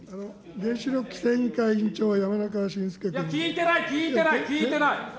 原子力規制委員会委員長、聞いてない、聞いてない。